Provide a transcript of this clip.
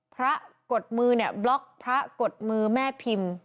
กดมือเนี่ยบล็อกพระกดมือแม่พิมพ์